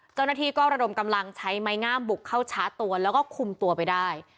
เจ้าหน้าที่ก็ระดมกำลังใช้ไม้งามบุกเข้าชาร์จตัวแล้วก็คุมตัวไปได้